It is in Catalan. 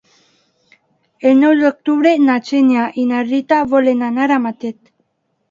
El nou d'octubre na Xènia i na Rita volen anar a Matet.